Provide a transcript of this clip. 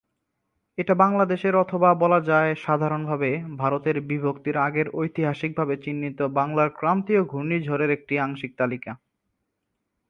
এটা বাংলাদেশ এর অথবা বলাযায় সাধারণভাবে ভারতের বিভক্তির আগের ঐতিহাসিক ভাবে চিহ্নিত বাংলার ক্রান্তীয় ঘূর্ণিঝড়ের একটি আংশিক তালিকা।